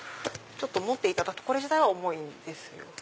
持っていただくとこれ自体は重いんですよ。